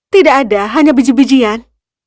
tidak ada hanya biji bijian